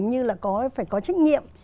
như là phải có trách nhiệm